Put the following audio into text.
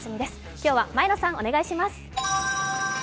今日は前野さん、お願いします。